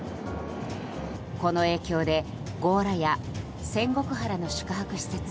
この影響で強羅や仙石原の宿泊施設